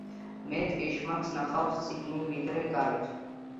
მეტ ეშმაკს ნახავ შიგნით, ვიდრე გარეთ.